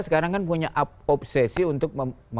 sekarang kan punya obsesi untuk